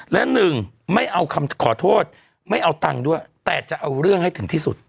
และหนึ่งไม่เอาคำขอโทษไม่เอาตังค์ด้วยแต่จะเอาเรื่องให้ถึงที่สุด